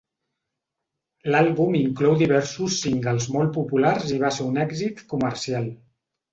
L'àlbum inclou diversos singles molt populars i va ser un èxit comercial.